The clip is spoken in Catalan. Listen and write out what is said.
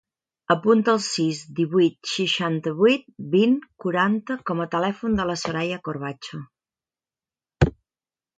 Apunta el sis, divuit, seixanta-vuit, vint, quaranta com a telèfon de la Soraya Corbacho.